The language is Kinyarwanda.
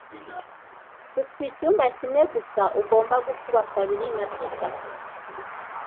Dufite icyumba kimwe gusa: ugomba gukuba kabiri na Peter